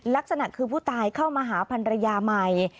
ลักษณะคือผู้ตายเข้ามาหาพันรยาใหม่